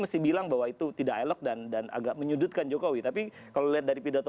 mesti bilang bahwa itu tidak elok dan dan agak menyudutkan jokowi tapi kalau lihat dari pidato